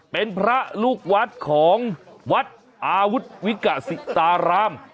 เป็นพระลูกวัดของวัดอาวุธวิกษิตาราม